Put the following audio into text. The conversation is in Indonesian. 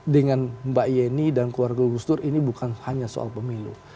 dengan mbak yeni dan keluarga gus dur ini bukan hanya soal pemilu